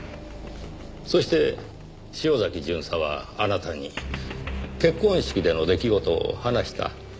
そして潮崎巡査はあなたに結婚式での出来事を話した。